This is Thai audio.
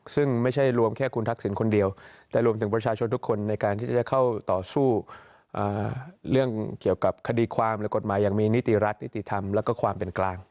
ซึ่งไม่ใช่รวมแค่คุณทักษิณคนเดียวแต่รวมถึงประชาชนทุกคนในการที่จะเข้าต่อสู้เรื่องเกี่ยวกับคดีความหรือกฎหมายยังมีนิติรัฐนิติธรรมแล้วก็ความเป็นกลาง